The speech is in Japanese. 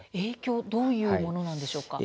どのようなものなんでしょうか。